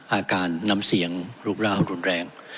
อาการน้ำเสียงรูปร่างรุนแรง